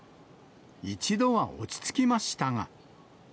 一度は落ち着きましたが。